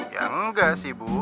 ya enggak sih bu